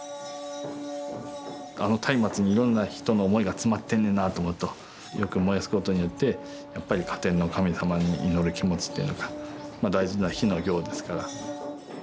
あの松明にいろんな人の思いが詰まってんねんなあと思うとよく燃やすことによってやっぱり火天の神様に祈る気持ちっていうのか大事な火の行ですから。